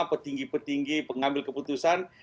petinggi petinggi pengambil keputusan